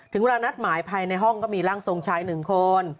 ถึงเวลานัดหมายภัยในห้องก็มีร่างทรงชาย๑คน